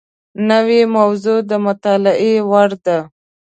نوې موضوع د مطالعې وړ ده